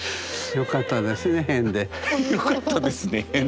よかったですね変で？